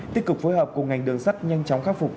tích cực phối hợp cùng ngành đường sắt nhanh chóng khắc phục